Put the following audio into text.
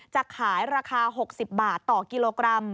จะขายราคา๖๐บาทต่อกิโลกรัม